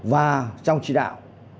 và trong trị đạo